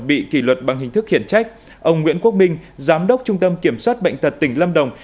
bị kỷ luật bằng hình thức khiển trách ông nguyễn quốc minh giám đốc trung tâm kiểm soát bệnh tật tỉnh lâm đồng